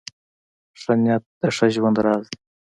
ښه نیت د ښه ژوند راز دی .